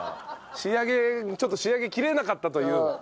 仕上げちょっと仕上げきれなかったという。